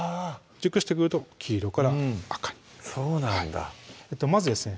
熟してくると黄色から赤にそうなんだまずですね